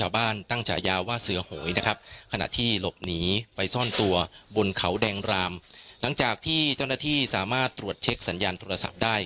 บนเขาแดงรามหลังจากที่เจ้าหน้าที่สามารถตรวจเช็คสัญญาณโทรศัพท์ได้